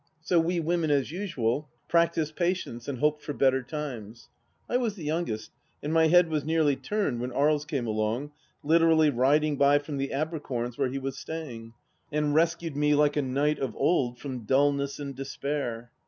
So we women, as usual, practised patience and hoped for better times. I was the youngest, and my head was nearly turned when Aries came along, literally riding by from the Abercorns' where he was staying, and rescued me like a knight of old from dullness and despair.